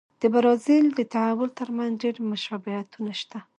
د برازیل د تحول ترمنځ ډېر مشابهتونه شته.